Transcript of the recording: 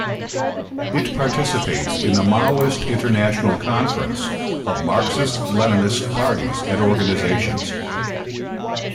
It participates in the Maoist International Conference of Marxist-Leninist Parties and Organizations.